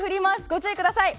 ご注意ください。